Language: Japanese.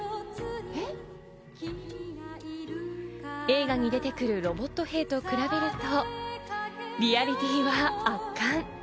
映画に出てくるロボット兵と比べるとリアリティーは圧巻。